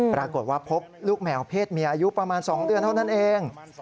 ปรากฏว่าพบลูกแมวเพศเมียอายุประมาณ๒เดือนเท่านั้นเอง